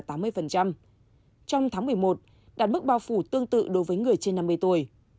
trong tháng một mươi một đạt mức bao phủ tương tự đối với người trên năm mươi tuổi